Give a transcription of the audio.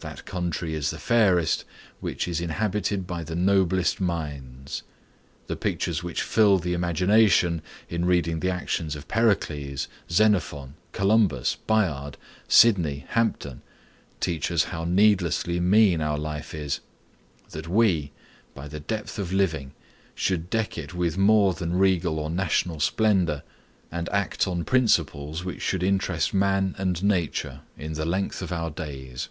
That country is the fairest which is inhabited by the noblest minds. The pictures which fill the imagination in reading the actions of Pericles, Xenophon, Columbus, Bayard, Sidney, Hampden, teach us how needlessly mean our life is; that we, by the depth of our living, should deck it with more than regal or national splendor, and act on principles that should interest man and nature in the length of our days.